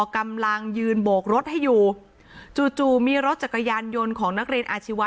กำลังยืนโบกรถให้อยู่จู่จู่มีรถจักรยานยนต์ของนักเรียนอาชีวะ